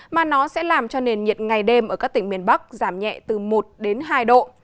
mà nó sẽ làm cho nền nhiệt ngày đêm ở các tỉnh miền bắc giảm nhẹ từ một đến hai độ